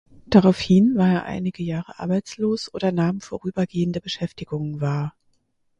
Darauf hin war er einige Jahre arbeitslos oder nahm vorübergehende Beschäftigungen wahr.